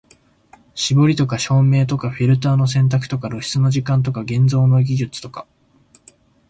絞りとか照明とかフィルターの選択とか露出の時間とか現像の技術とか、